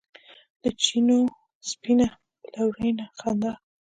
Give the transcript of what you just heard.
د چېنو سپینه بلورینه خندا